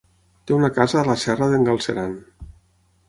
Té una casa a la Serra d'en Galceran.